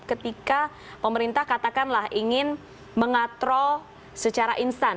ketika pemerintah katakanlah ingin mengatrol secara instan